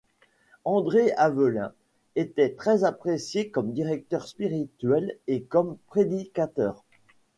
André Avellin était très apprécié comme directeur spirituel et comme prédicateur.